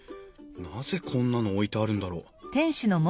なぜこんなの置いてあるんだろう？